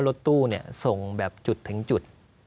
รถตู้ส่งแบบจุดถึงจุด